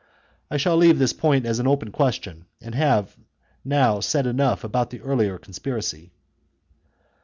I shall leave this point as an open question, and have now said enough about the earlier conspiracy.